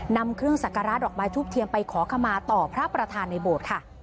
นำเครื่องสักการะดอกไม้ทูบเทียมไปขอขมาต่อพระประธานในโบสถ์ค่ะ